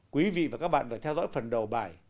quý vị và các bạn phải theo dõi phần đầu bài